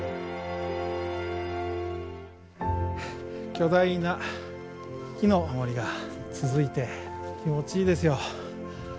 巨大な木の森が続いて気持ちいいですよ。